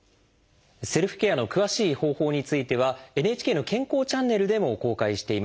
セルフケアの詳しい方法についてはＮＨＫの「健康チャンネル」でも公開しています。